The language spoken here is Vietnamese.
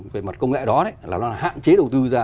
về mặt công nghệ đó là nó hạn chế đầu tư ra